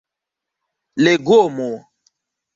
legomo